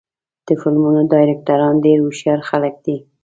د فلمونو ډایرکټران ډېر هوښیار خلک دي.